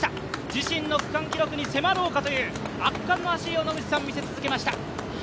自身の区間記録に迫ろうかという圧巻の走りを見せ続けました。